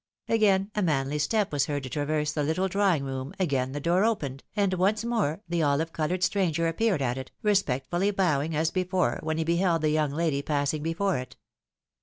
Again a manly step was heard to traverse the little drawing room, again the door opened, and once more the olive coloured stranger appeared at it, respectfuUy bowing, as before, when he THE INCOGNITO LAID ASIDE. 213 beheld the young lady passing before it.